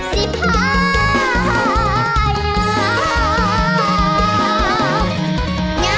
สีพาไหย